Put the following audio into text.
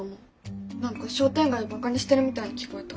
何か商店街をバカにしてるみたいに聞こえた。